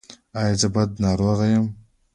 ایا زه بد ناروغ یم؟